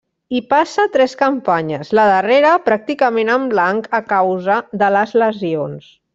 Hi passa tres campanyes, la darrera pràcticament en blanc a causa de les lesions.